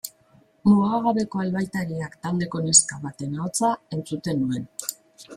Mugagabeko Albaitariak taldeko neska baten ahotsa entzuten nuen.